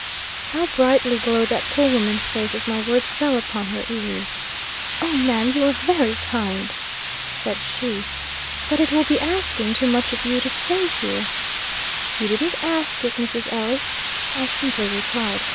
How brightly glowed that poor woman's face as my words fell upon her ears! "O, ma'am, you are very kind!" said she. "But it will be asking too much of you to stay here!" "You didn't ask it, Mrs. Ellis," I simply replied.